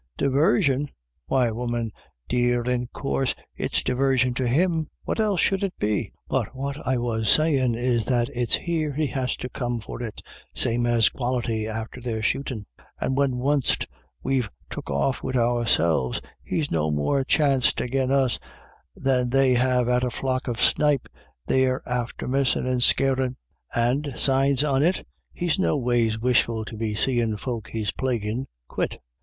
" Divarsion ? why, woman dear, in coorse it's divarsion to him ; what else should it be ? But what I was savin' is that it's here he has to come for it, same as Quality after their shootin', and when wunst we've took off wid ourselves, he's no more chanst agin us than they have at a flock of snipe they're after missin' and scarin'. And, signs on it, he's noways wishful to be seein' folk he's plaguin' quit.